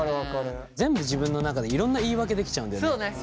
全部自分の中でいろんな言い訳できちゃうんだよね。